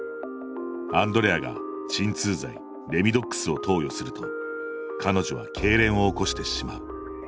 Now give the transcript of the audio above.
アンドレアが鎮痛剤レミドックスを投与すると彼女はけいれんを起こしてしまう。